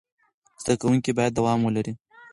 زده کوونکي باید دوام ولري.